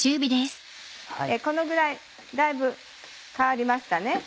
このぐらいだいぶ変わりましたね。